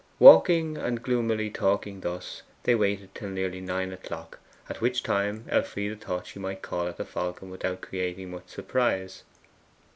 Walking and gloomily talking thus they waited till nearly nine o'clock, at which time Elfride thought she might call at the Falcon without creating much surprise.